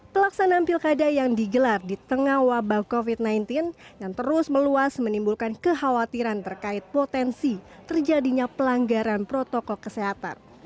pelaksanaan pilkada yang digelar di tengah wabah covid sembilan belas yang terus meluas menimbulkan kekhawatiran terkait potensi terjadinya pelanggaran protokol kesehatan